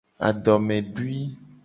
Adomedui.